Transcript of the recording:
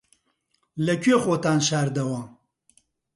لەکوێ خۆتان شاردەوە؟